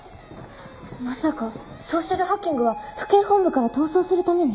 まさかソーシャルハッキングは府警本部から逃走するために？